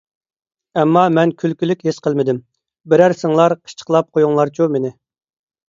ئەمما مەن كۈلكىلىك ھېس قىلمىدىم. بىرەرسىڭلار قىچىقلاپ قويۇڭلارچۇ مېنى!